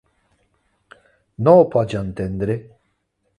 No ho pots entendre?